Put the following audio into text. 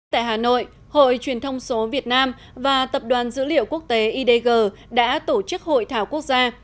tại hà nội hội truyền thông số việt nam và tập đoàn dữ liệu quốc tế idg đã tổ chức hội thảo quốc gia